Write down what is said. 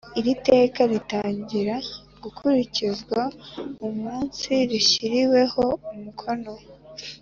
Iri teka ritangira gukurikizwa umunsi rishyiriweho umukono